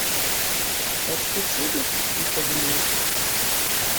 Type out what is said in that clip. Est-ce possible? dit Savinien.